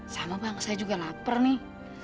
sama bang saya juga lapar nih